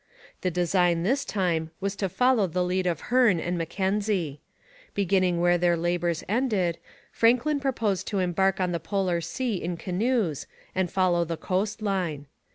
The design this time was to follow the lead of Hearne and Mackenzie. Beginning where their labours ended, Franklin proposed to embark on the polar sea in canoes and follow the coast line.